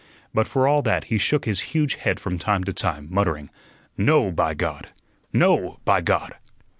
But for all that he shook his huge head from time to time, muttering: "No, by God! No, by God!"